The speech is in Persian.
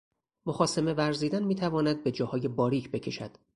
مخاصمه ورزیدن میتواند به جاهای باریک بکشد